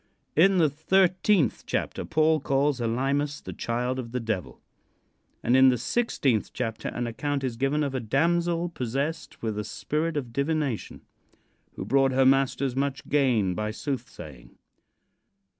In the thirteen chapter Paul calls Elymas the child of the Devil, and in the sixteenth chapter an account is given of "a damsel possessed with a spirit of divination, who brought her masters much gain by soothsaying."